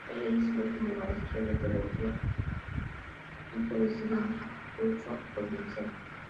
Allí se recibió como maestro de Teología y fue elegido incluso provincial.